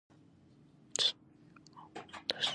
سوریه او فلسطین بېوزله هېوادونه دي.